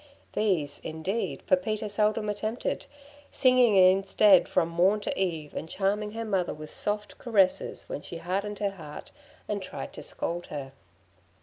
These, indeed, Pepita seldom attempted, singing instead from morn to eve, and charming her mother with soft caresses when she hardened her heart and tried to scold her.